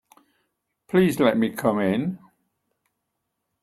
Please let me come in.